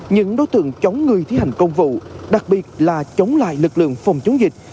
những đối tượng chống người thi hành công vụ đặc biệt là chống lại lực lượng phòng chống dịch